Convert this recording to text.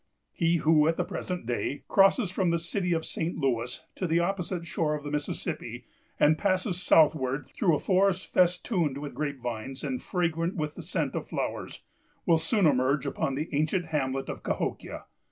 He who, at the present day, crosses from the city of St. Louis to the opposite shore of the Mississippi, and passes southward through a forest festooned with grape vines, and fragrant with the scent of flowers, will soon emerge upon the ancient hamlet of Cahokia.